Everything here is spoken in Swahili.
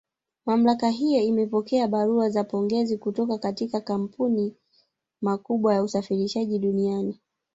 Mamlaka hiyo imepokea barua za pongezi kutoka katika makampuni makubwa ya usafirishaji duniani